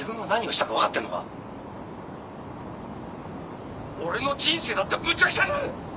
俺の人生だってむちゃくちゃになる！